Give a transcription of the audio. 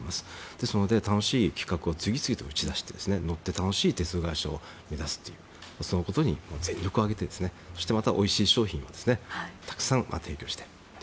ですので、楽しい企画を次々に打ち出して乗って楽しい鉄道会社を目指してそのことに全力を挙げておいしい商品をたくさん提供して。